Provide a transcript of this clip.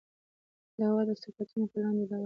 دا دوه صفتونه په لاندې ډول دي.